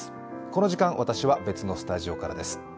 この時間、私は別のスタジオからです。